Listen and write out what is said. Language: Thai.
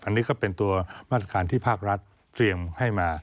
อันนี้ก็เป็นตัวมาตรการที่ภาครัฐเตรียมให้มา